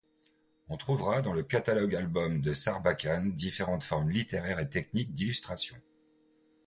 On trouvera dans le catalogue albums de Sarbacane différentes formes littéraires et techniques d’illustration.